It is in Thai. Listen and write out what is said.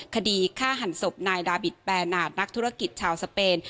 คดีฆ่าหันศพนายดาบิตแปรนาทนักธุรกิจชาวสเปน